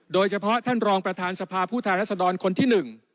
โดยเฉพาะท่านรองประธานสภาพุทธนาศดรณ์คนที่๑